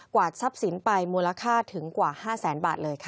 วาดทรัพย์สินไปมูลค่าถึงกว่า๕แสนบาทเลยค่ะ